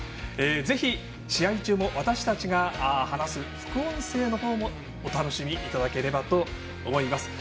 ぜひ、試合中も私たちが話す副音声の方もお楽しみいただければと思います。